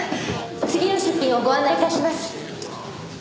次の出品をご案内致します。